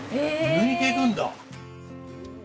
抜いていくんだ。